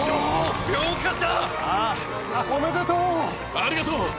ありがとう！